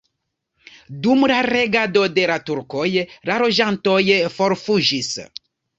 Dum regado de la turkoj la loĝantoj forfuĝis.